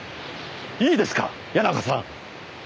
いいですか谷中さん。